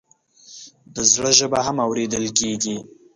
د زړه ژبه هم اورېدل کېږي.